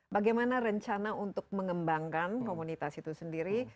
bagaimana rencana untuk mengembangkan komunitas itu sendiri